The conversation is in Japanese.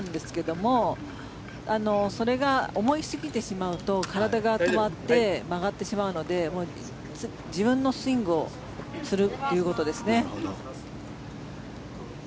フェアウェーに置くことなんですけどもそれが思い過ぎてしまうと体が止まって曲がってしまうので自分のスイングをするということですね。